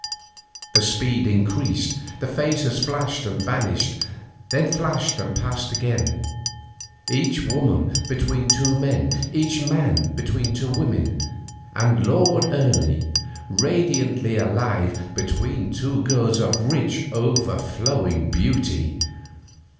The speed increased; the faces flashed and vanished, then flashed and passed again; each woman between two men, each man between two women, and Lord Ernie, radiantly alive, between two girls of rich, o'erflowing beauty.